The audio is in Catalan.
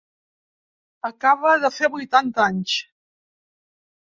Acaba de fer vuitanta anys.